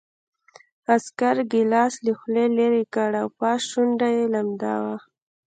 عسکر ګیلاس له خولې لېرې کړ او پاس شونډه یې لمده وه